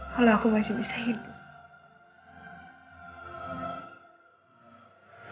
kalau aku masih bisa hidup